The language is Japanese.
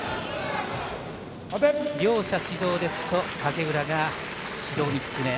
両者指導ですと影浦が指導３つ目。